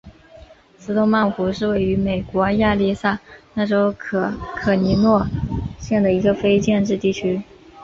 斯通曼湖是位于美国亚利桑那州可可尼诺县的一个非建制地区。